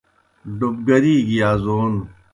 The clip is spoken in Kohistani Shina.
ڈوبگری گیْ یازون